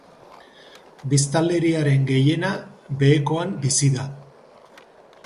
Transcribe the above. Biztanleriaren gehiena behekoan bizi da.